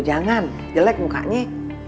jangan jelek mukanya